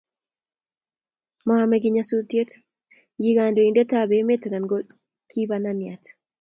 Momekiy nyasutiet ngi kandoindetab emet anan ko kibaniat